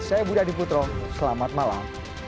saya budha diputro selamat malam